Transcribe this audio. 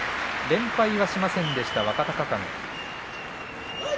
連敗はしませんでした若隆景。